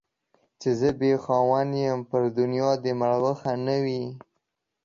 چي زه بې خاونده يم ، پر دنيا دي مړوښه نه وي.